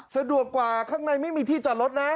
สะดวกกว่าข้างในไม่มีที่จอดรถนะ